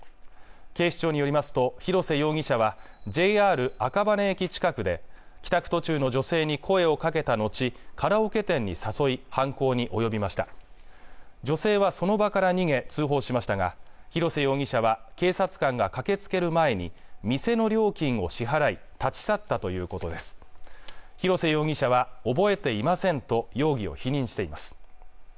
警視庁によりますと広瀬容疑者はＪＲ赤羽駅近くで帰宅途中の女性に声をかけた後カラオケ店に誘い犯行に及びました女性はその場から逃げ通報しましたが広瀬容疑者は警察官が駆けつける前に店の料金を支払い立ち去ったということです広瀬容疑者は覚えていませんと容疑を否認しています